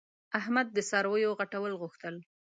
احمد د څارویو غټول غوښتل.